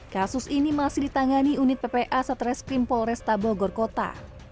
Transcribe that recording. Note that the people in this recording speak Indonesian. kasus ini masih ditangani unit ppa satreskrim polresta bogor kota